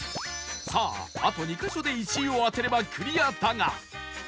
さああと２カ所で１位を当てればクリアだが